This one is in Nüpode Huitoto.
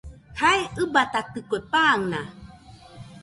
Jae ɨbatatikue, pan naa.